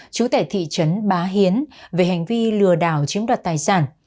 chú tại thị trấn bá hiến về hành vi lừa đảo chiếm đoạt tài sản